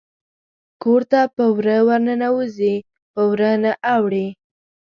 کور ته په وره ورننوزي په ور نه اوړي